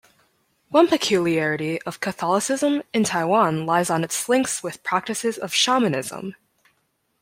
One peculiarity of Catholicism in Taiwan lies on its links with practices of Shamanism.